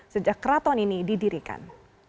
sejak keraton ini didirikan